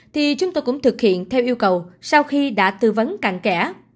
thì chúng tôi cũng thực hiện theo yêu cầu sau khi đã tư vấn càng kẻ